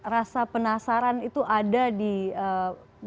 rasa penasaran itu ada di indonesia